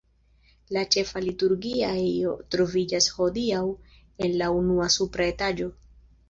La ĉefa liturgia ejo troviĝas hodiaŭ en la unua supra etaĝo.